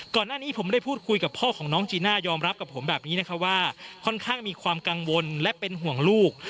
ก่อนหน้านี้ผมได้พูดคุยกับพ่อของน้องจีน่ายอมรับกับผมแบบนี้นะคะว่าค่อนข้างมีความกังวลและเป็นห่วงลูก